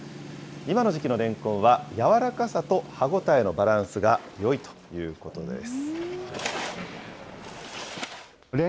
今の時期のレンコンは、やわらかさと歯応えのバランスがよいということです。